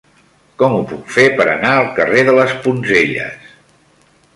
Com ho puc fer per anar al carrer de les Poncelles?